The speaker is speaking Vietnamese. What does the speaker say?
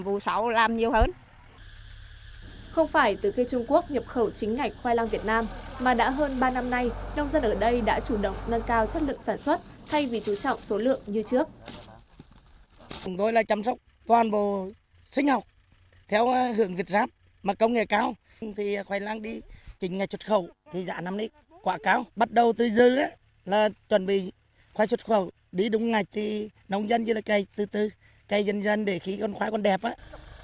mà đã hơn ba năm nay nông dân ở đây đã chủ động nâng cao chất lượng sản xuất thay vì chú trọng số lượng như trước